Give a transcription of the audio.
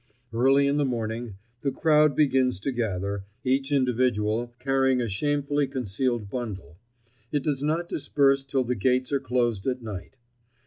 Early in the morning the crowd begins to gather, each individual carrying a shamefully concealed bundle; it does not disperse till the gates are closed at night.